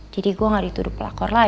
jadi gue gak dituduh pelakor lagi